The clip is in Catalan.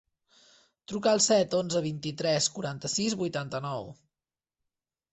Truca al set, onze, vint-i-tres, quaranta-sis, vuitanta-nou.